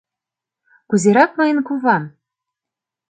— Кузерак мыйын кувам?